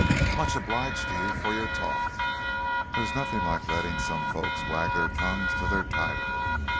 "Much obliged to you for your talk, there's nothing like letting some folks wag their tongues till they're tired.